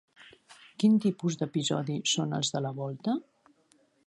Quin tipus d'episodi són els de la volta?